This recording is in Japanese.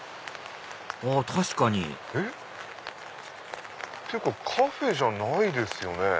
あ確かにっていうかカフェじゃないですよね？